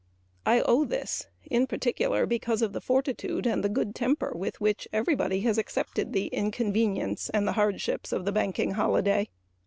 I owe this in particular because of the fortitude and good temper with which everybody has accepted the inconvenience and hardships of the banking holiday.